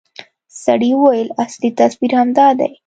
سړي وويل اصلي تصوير همدا دى.